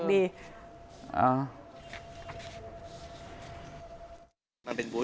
มันเป็นบุ๊ซของว่ะครับใช่ไหมคุณแม่ใช่ไหมครับเป็นบุ๊ซ